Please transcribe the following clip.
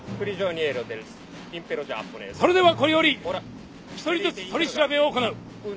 それではこれより一人ずつ取り調べを行う。